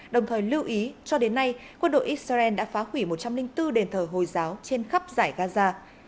đồng thời lưu ý cho đến nay quân đội israel đã phá hủy một trăm linh bốn đền thờ hồi giáo trên khắp giải gaza